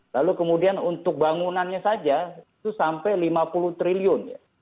lalu kemudian untuk bangunannya saja itu sampai lima puluh triliun ya